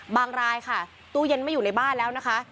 รายค่ะตู้เย็นไม่อยู่ในบ้านแล้วนะคะ